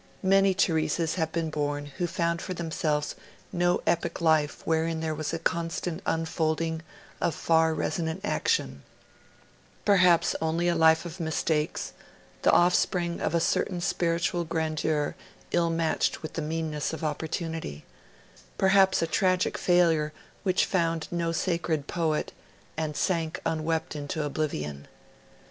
Many Theresas have been born who found for themselves no epic life wherein there was a constant unfolding of far resonant action; perhaps only a life of mistakes, the offspring of a certain spiritual grandeur ill matched with the meanness of opportunity; perhaps a tragic failure which found no sacred poet and sank unwept into oblivion.